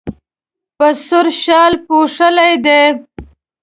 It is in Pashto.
په سور شال پوښلی دی.